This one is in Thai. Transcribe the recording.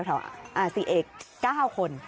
เก้าคน